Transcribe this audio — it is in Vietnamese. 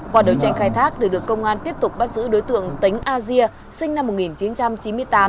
quả đấu tranh khai thác được được công an tiếp tục bắt giữ đối tượng tính asia sinh năm một nghìn chín trăm chín mươi tám